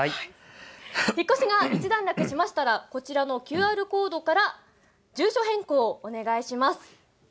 引っ越しが一段落しましたらこちらのＱＲコードから住所変更をお願いします。